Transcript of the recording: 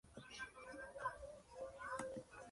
Su familia era de ascendencia irlandesa y alemana.